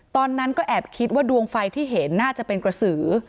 ตอนนั้นก็แอบคิดว่าดวงไฟที่เห็นน่าจะเป็นกระสือ